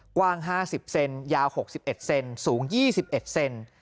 กว้าง๕๐เซนยาว๖๑เซนสูง๒๑เซน